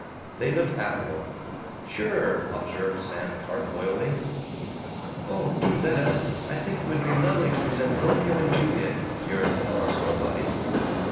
They looked affable. "Sure," observed Sam Clark loyally. "Oh, do let us! I think it would be lovely to present 'Romeo and Juliet'!" yearned Ella Stowbody.